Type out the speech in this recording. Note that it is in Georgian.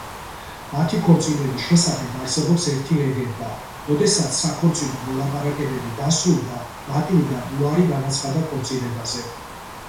მათი ქორწინების შესახებ არსებობს ერთი ლეგენდა: როდესაც საქორწინო მოლაპარაკებები დასრულდა, მატილდამ უარი განაცხადა ქორწინებაზე.